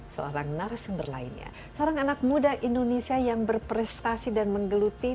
seorang narasumber lainnya seorang anak muda indonesia yang berprestasi dan menggeluti